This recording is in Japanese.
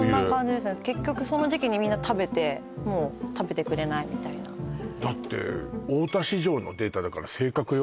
冬結局その時期にみんな食べてもう食べてくれないみたいな大田市場のデータだから正確よ